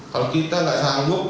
kalau kita tidak sanggup